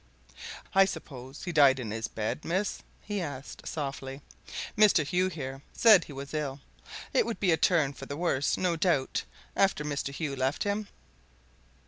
"I suppose he died in his bed, miss?" he asked softly. "Mr. Hugh here said he was ill; it would be a turn for the worse, no doubt, after Mr. Hugh left him?"